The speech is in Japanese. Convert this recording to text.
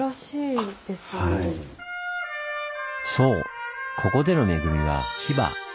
そうここでの恵みはヒバ。